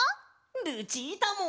ルチータも！